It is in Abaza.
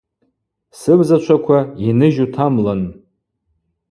Сыгӏвзачваква – Йныжь утамлын.